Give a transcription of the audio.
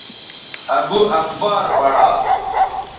ابو اخبار پڑا